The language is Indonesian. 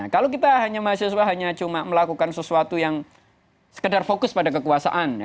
kalau kita hanya mahasiswa hanya cuma melakukan sesuatu yang sekedar fokus pada kekuasaan